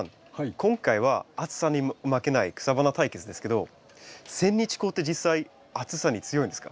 今回は暑さに負けない草花対決ですけどセンニチコウって実際暑さに強いんですか？